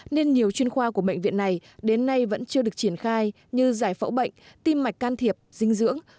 nên nhiều chuyên khoa của bệnh viện này đến nay vẫn chưa được triển khai như giải phẫu bệnh tim mạch can thiệp dinh dưỡng